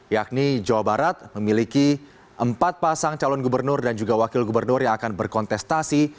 yakni jawa barat memiliki empat pasang calon gubernur dan juga wakil gubernur yang akan berkontestasi